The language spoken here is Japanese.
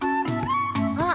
あっ！